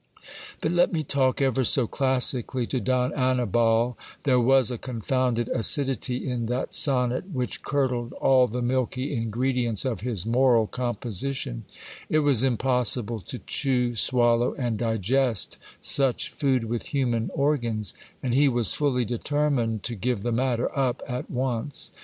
But let me talk ever so classically to Don Annibal, there was a confounded acidity in that sonnet which curdled all the milky ingredients of his moral com position ; it was impossible to chew, swallow, and digest such food with human organs ; and he was fully determined to give the matter up at once.